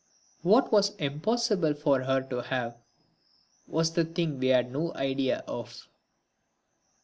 What was impossible for her to have was the thing we had no idea of.